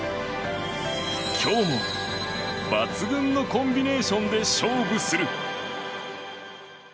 今日も、抜群のコンビネーションで勝負する！